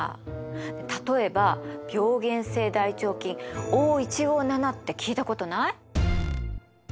例えば病原性大腸菌Ｏ１５７って聞いたことない？